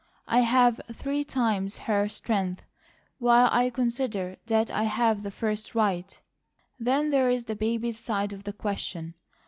I have three times her strength, while I consider that I've the first right. Then there is the baby's side of the question.